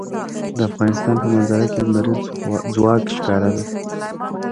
د افغانستان په منظره کې لمریز ځواک ښکاره ده.